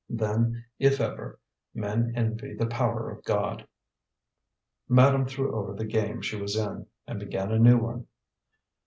Then, if ever, men envy the power of God." Madame threw over the game she was in, and began a new one.